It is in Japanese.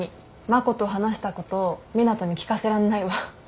真子と話したこと湊斗に聞かせらんないわ。